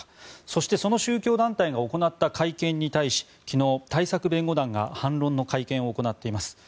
そしてその宗教団体が行った会見に対し昨日、対策弁護団が反論の会見を行っています。